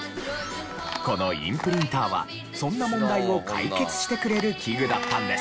このインプリンターはそんな問題を解決してくれる器具だったんです。